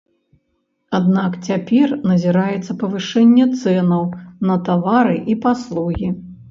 Аднак цяпер назіраецца павышэнне цэнаў на тавары і паслугі.